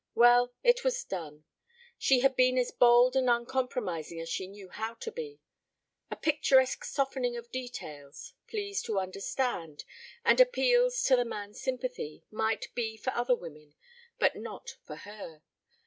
Well, it was done. She had been as bald and uncompromising as she knew how to be. A picturesque softening of details, pleas to understand, and appeals to the man's sympathy, might be for other women but not for her.